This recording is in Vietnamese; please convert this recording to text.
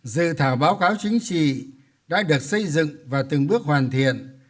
dự thảo báo cáo chính trị đã được xây dựng và từng bước hoàn thiện